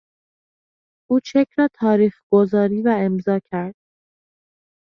او چک را تاریخگذاری و امضا کرد.